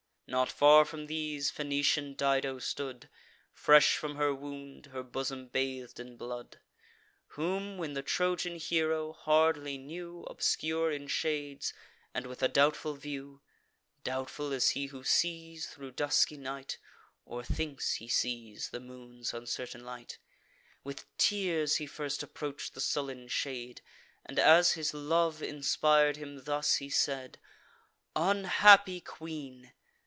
Not far from these Phoenician Dido stood, Fresh from her wound, her bosom bath'd in blood; Whom when the Trojan hero hardly knew, Obscure in shades, and with a doubtful view, (Doubtful as he who sees, thro' dusky night, Or thinks he sees, the moon's uncertain light,) With tears he first approach'd the sullen shade; And, as his love inspir'd him, thus he said: "Unhappy queen!